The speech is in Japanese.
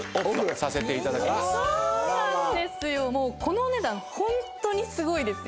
もうこのお値段ホントにすごいですよ。